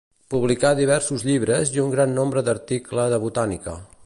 Publicà diversos llibres i un gran nombre d'article de botànica.